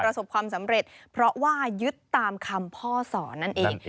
ประสบความสำเร็จเพราะว่ายึดตามคำพ่อสอนนั่นเอง